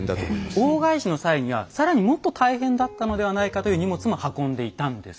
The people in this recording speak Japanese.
大返しの際には更にもっと大変だったのではないかという荷物も運んでいたんです。